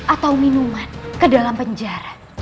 atau minuman ke dalam penjara